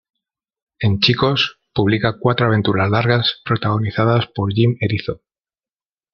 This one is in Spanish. En "Chicos", publica cuatro aventuras largas protagonizadas por Jim Erizo.